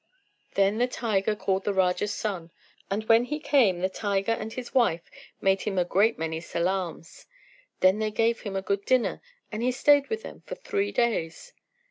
Then the tiger called the Raja's son, and when he came the tiger and his wife made him a great many salaams. Then they gave him a good dinner, and he stayed with them for three days.